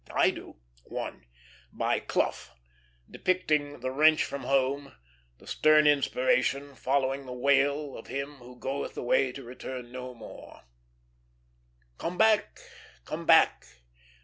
I do one by Clough, depicting the wrench from home, the stern inspiration following the wail of him who goeth away to return no more: "Come back! come back!